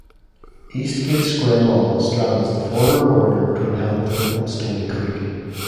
Eastgate Square Mall straddles the former border between Hamilton and Stoney Creek.